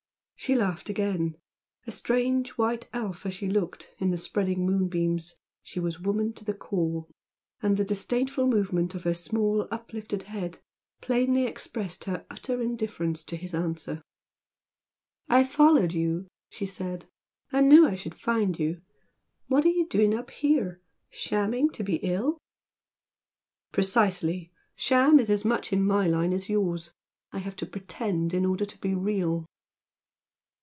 She laughed again. A strange white elf as she looked In the spreading moonbeams she was woman to the core, and the disdainful movement of her small uplifted head plainly expressed her utter indifference to his answer. "I followed you" she said "I knew I should find you! What are you doing up here? Shamming to be ill?" "Precisely! 'Sham' is as much in my line as yours. I have to 'pretend' in order to be real!"